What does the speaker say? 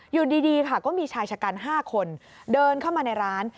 อยู่ดีค่ะก็มีชายชะกัน๕คนเดินเข้ามาในร้าน